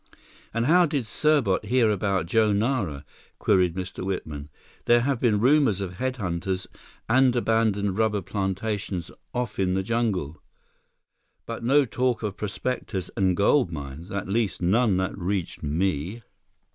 "And how did Serbot hear about Joe Nara?" queried Mr. Whitman. "There have been rumors of head hunters and abandoned rubber plantations off in the jungle. But no talk of prospectors and gold mines—at least none that reached me."